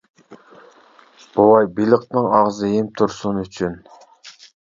بوۋاي، بېلىقنىڭ ئاغزى ھىم تۇرسۇن ئۈچۈن.